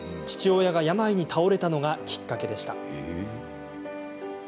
父親が病に倒れたのがきっかけでした。